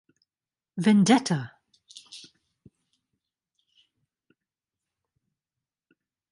Vendetta!